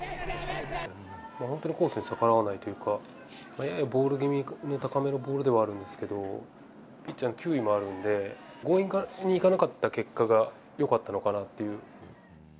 本当にコースに逆らわないというか、速いボール気味の高めのボールではあるんですけど、ピッチャーの球威もあるので、強引にいかなかった結果がよかったのかなという。